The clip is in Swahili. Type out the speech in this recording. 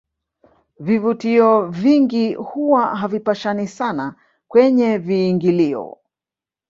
vivutio vingi huwa havipishani sana kwenye viingilio